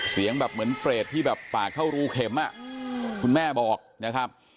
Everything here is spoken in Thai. เสียงแบบเหมือนเปรตที่แบบปากเท่ารูเข็มอ่ะคุณแม่บอกนะครับ